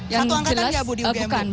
satu angkatan ya bu di ugm